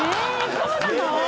そうなの？